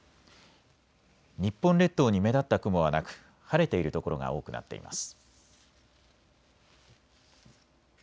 日本列島に目立った雲はなく晴れている所が多くなっています。